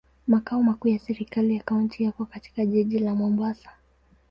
Makao makuu ya serikali ya kaunti yako katika jiji la Mombasa.